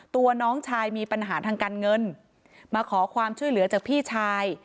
ตัวน้องชายมีปัญหาทางการเงินมาขอความช่วยเหลือจากพี่ชาย